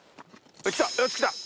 よし来た！